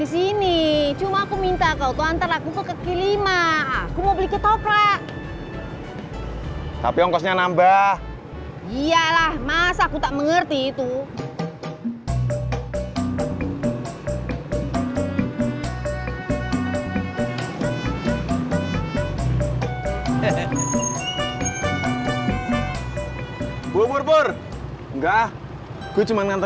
sampai jumpa di video selanjutnya